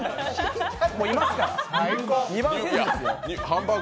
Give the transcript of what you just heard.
もういますから。